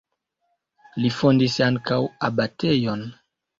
Li fondis ankaŭ abatejon.